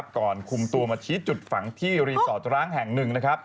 ก่อนคุมตัวมาชี้จุดฝังที่รีสอร์ทร้างแห่งหนึ่งนะครับ